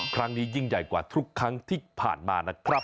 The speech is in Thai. ยิ่งใหญ่กว่าทุกครั้งที่ผ่านมานะครับ